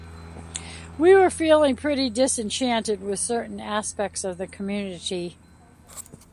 We were feeling pretty disenchanted with certain aspects of the community.